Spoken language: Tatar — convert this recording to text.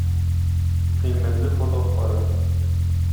Кыйммәтле фотоаппарат